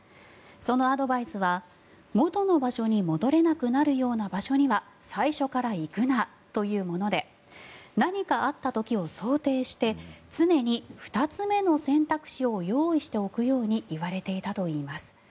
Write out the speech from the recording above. そのアドバイスは元の場所に戻れなくなるような場所には最初から行くなというもので何かあった時を想定して常に２つ目の選択肢を用意しておくように言われていたといいます。